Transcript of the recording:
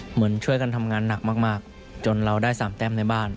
เหมือนช่วยกันทำงานหนักมากจนเราได้๓แต้มในบ้าน